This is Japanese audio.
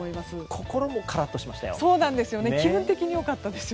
心もカラッとしましたよ。